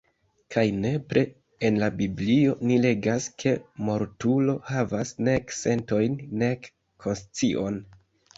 Kaj nepre en la Biblio ni legas ke mortulo havas nek sentojn nek konscion.